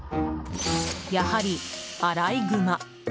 やはりアライグマ。